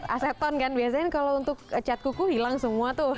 aseton kan biasanya kalau untuk cat kuku hilang semua tuh